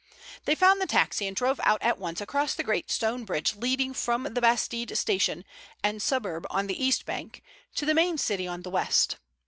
They found the taxi and drove out at once across the great stone bridge leading from the Bastide Station and suburb on the east bank to the main city on the west.